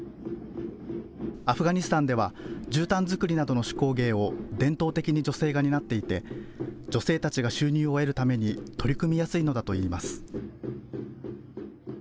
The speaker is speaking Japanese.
アフガニスタンではじゅうたん作りなどの手工芸を伝統的に女性が担っていて女性たちが収入を得るために取り組みやすいのだといいます。